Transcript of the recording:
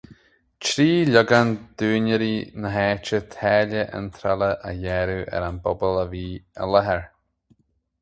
Trí ligeann d'úinéirí na háite táille iontrála a ghearradh ar an bpobal a bhí i láthair.